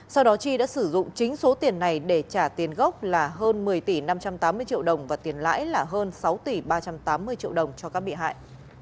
sau đó chi đã sử dụng chính số tiền này để trả tiền gốc là hơn một mươi tỷ năm trăm tám mươi triệu đồng và tiền lãi là hơn sáu tỷ ba trăm tám mươi triệu đồng cho các bị hại